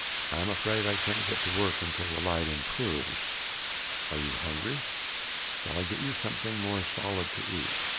I am afraid I can't get to work until the light improves. Are you hungry? Shall I get you something more solid to eat?"